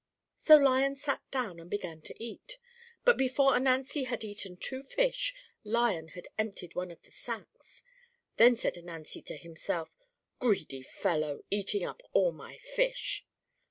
So Lion sat down and began to eat; but before Ananzi had eaten two fish, Lion had emptied one of the sacks. Then said Ananzi to himself: "Greedy fellow, eating up all my fish."